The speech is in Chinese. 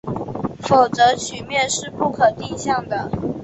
否则曲面是不可定向的。